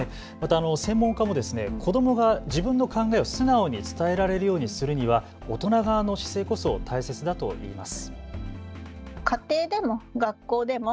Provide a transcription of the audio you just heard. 専門家も子どもが自分の考えを素直に伝えられるようにするには大人側の姿勢こそ大切だといいます。